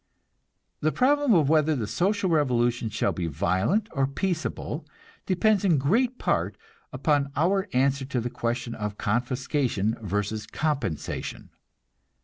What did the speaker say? The problem of whether the social revolution shall be violent or peaceable depends in great part upon our answer to the question of confiscation versus compensation.